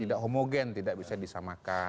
tidak homogen tidak bisa disamakan